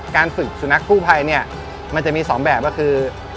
การฝึกสุนัขกู้ภัยเนี่ยมันจะมี๒แบบก็คือ